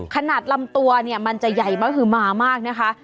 ขนาดลำตัวเนี่ยมันจะใหญ่มากฮือมามากนะคะ